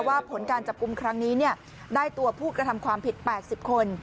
ผลการจับกลุ่มครั้งนี้ได้ตัวผู้กระทำความผิด๘๐คน